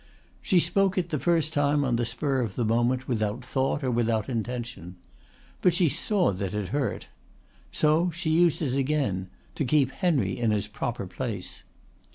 She spoke it the first time on the spur of the moment without thought or intention. But she saw that it hurt. So she used it again to keep Henry in his proper place.